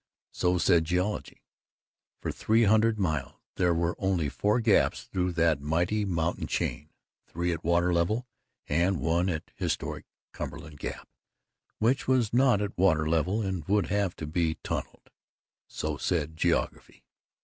So said Geology. For three hundred miles there were only four gaps through that mighty mountain chain three at water level, and one at historic Cumberland Gap which was not at water level and would have to be tunnelled. So said Geography.